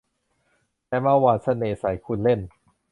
แต่มาหว่านเสน่ห์ใส่คุณเล่น